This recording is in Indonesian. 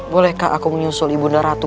bolehkah aku menyusul ibu nda ratu